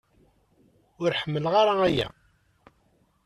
Ur ḥemmleɣ ara aya.